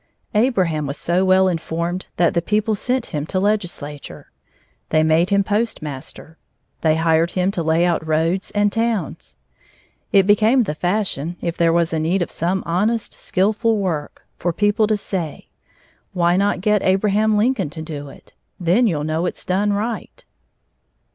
Abraham was so well informed that the people sent him to legislature. They made him postmaster. They hired him to lay out roads and towns. It became the fashion, if there was need of some honest, skilful work, for people to say: "Why not get Abraham Lincoln to do it? Then you'll know it's done right."